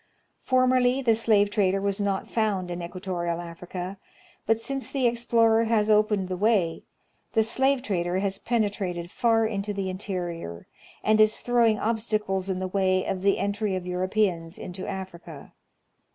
Formerly the slave trader was not found in equatorial Africa; but, since the explorer has opened the way, the slave trader has penetrated far into the interior, and is throwing obstacles in the way of the entry of Europeans into Africa.